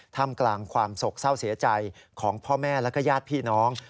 ทำกลางความโศกเศร้าเสียใจของพ่อแม่และก็ญาติพี่น้อง